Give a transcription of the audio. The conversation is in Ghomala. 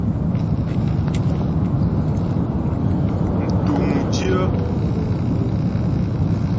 Mtuŋdyə́.